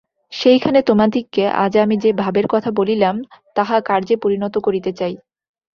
সেইখানে তোমাদিগকে আজ আমি যে-ভাবের কথা বলিলাম, তাহা কার্যে পরিণত করিতে চাই।